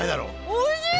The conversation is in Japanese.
おいしい！